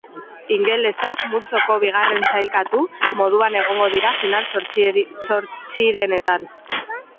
Ingelesak multzoko bigarren sailkatu moduan egongo dira final-zortzirenetan.